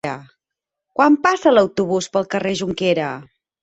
Quan passa l'autobús pel carrer Jonquera?